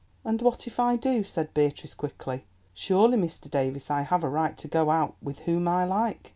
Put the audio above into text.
"And what if I do?" said Beatrice quickly; "surely, Mr. Davies, I have a right to go out with whom I like?"